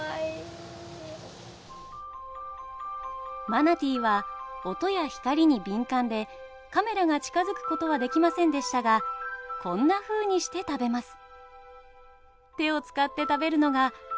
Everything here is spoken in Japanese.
マナティーは音や光に敏感でカメラが近づくことはできませんでしたがこんなふうにして食べます。